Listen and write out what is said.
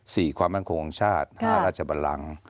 ความมั่นคงของชาติห้าราชบันลัง